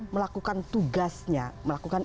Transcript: melakukan tugasnya melakukan